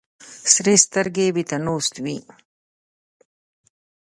سرې سترګې ورته ناست وي.